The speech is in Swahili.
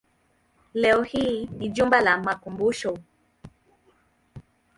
Leo hii ni jumba la makumbusho.